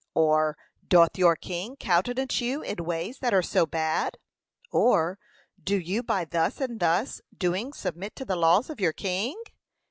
or doth your King countenance you in ways that are so bad? or, do you by thus and thus doing submit to the laws of your king?